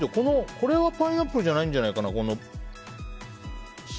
これはパイナップルじゃないんじゃないかな？